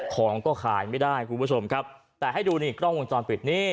ของก็ขายไม่ได้คุณผู้ชมครับแต่ให้ดูนี่กล้องวงจรปิดนี่